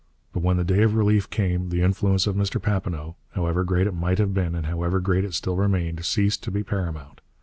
But when the day of relief came, the influence of Mr Papineau, however great it might have been and however great it still remained, ceased to be paramount.